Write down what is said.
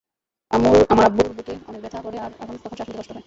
আমার আব্বুর বুকে অনেক ব্যথা করে আর তখন শ্বাস নিতে কষ্ট হয়।